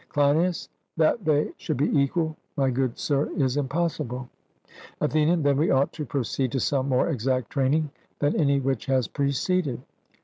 CLEINIAS: That they should be equal, my good sir, is impossible. ATHENIAN: Then we ought to proceed to some more exact training than any which has preceded.